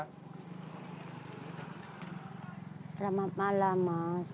selamat malam mas